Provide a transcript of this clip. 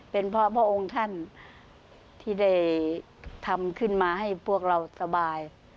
เป็นเพราะพระองค์ท่านที่ได้ทำขึ้นมาให้พวกเราสบาย